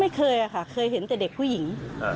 ไม่เคยค่ะเคยเห็นแต่เด็กผู้หญิง